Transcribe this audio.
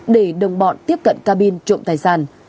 để đồng bọn tiếp cận cabin trộm tài sản